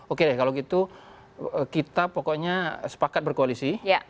oke deh kalau gitu kita pokoknya sepakat berkoalisi